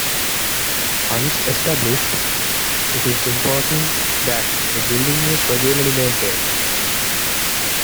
Once established, it is important that the building is regularly maintained.